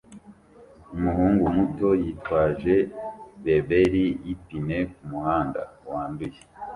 Umuhungu muto yitwaje reberi yipine kumuhanda wanduye